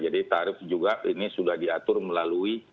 jadi tarif juga ini sudah diatur melalui